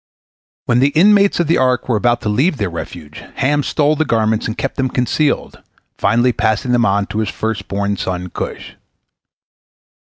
When the inmates of the ark were about to leave their refuge, Ham stole the garments and kept them concealed, finally passing them on to his first born son Cush.